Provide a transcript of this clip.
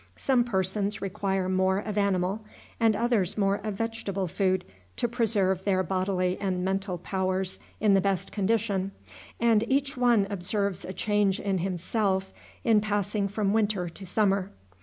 Some persons require more of animal, and others more of vegetable food, to preserve their bodily and mental powers in the best condition, and each one observes a change in himself in passing from winter to summer.